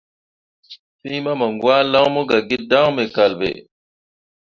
Fîi mamǝŋgwãalaŋne mo gah gi dan me kal ɓe.